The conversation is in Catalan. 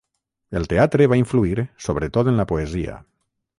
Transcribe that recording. El teatre va influir, sobretot en la poesia.